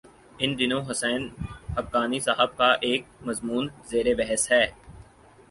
ان دنوں حسین حقانی صاحب کا ایک مضمون زیر بحث ہے۔